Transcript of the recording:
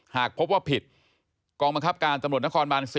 หากพบว่าผิดกองบังคับการตำรวจนครบาน๔